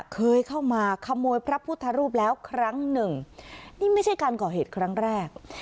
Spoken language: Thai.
เคยเข้ามาขโมยพระพุทธรูปแล้วครั้งหนึ่งนี่ไม่ใช่การก่อเหตุครั้งแรก